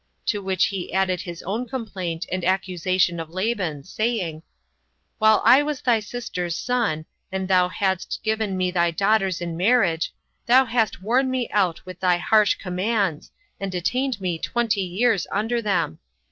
To which he added his own complaint and accusation of Laban; saying, "While I was thy sister's son, and thou hadst given me thy daughters in marriage, thou hast worn me out with thy harsh commands, and detained me twenty years under them.